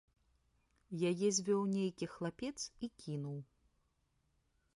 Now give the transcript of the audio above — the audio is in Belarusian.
Яе звёў нейкі хлапец і кінуў.